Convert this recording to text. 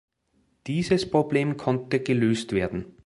Dieses Problem konnte gelöst werden.